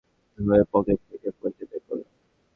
বসের ফোন এসেছে ভেবে ব্যতিব্যস্ত হয়ে পকেট থেকে ফোনটা বের করলাম।